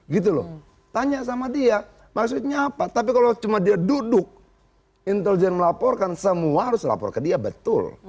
gitu loh tanya sama dia maksudnya apa tapi kalau cuma dia duduk intelijen melaporkan semua harus lapor ke dia betul